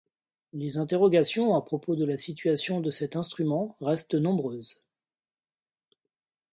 Les interrogations à propos de la situation de cet instrument restent nombreuses.